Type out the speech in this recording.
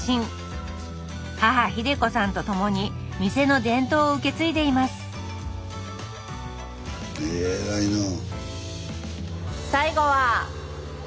母秀子さんと共に店の伝統を受け継いでいます偉いなあ。